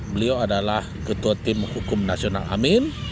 beliau adalah ketua tim hukum nasional amin